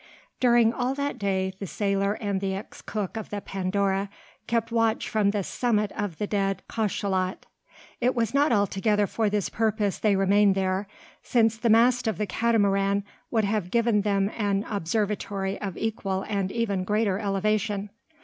During all that day, the sailor and the ex cook of the Pandora kept watch from the summit of the dead cachalot. It was not altogether for this purpose they remained there, since the mast of the Catamaran would have given them an observatory of equal and even greater elevation.